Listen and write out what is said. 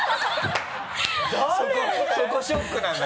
そこショックなんだ。